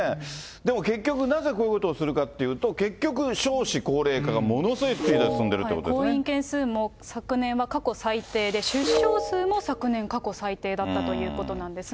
でも結局、なぜこういうことをするかというと、結局、少子高齢化がものすごいス婚姻件数も昨年は過去最低で、出生数も昨年、過去最低だったということなんですね。